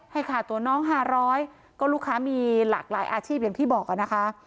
ให้ขาดตัวน้อง๕๐๐ก็ลูกค้ามีหลากหลายอาชีพอย่างที่บอกอะนะคะ